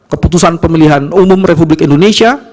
keputusan pemilihan umum republik indonesia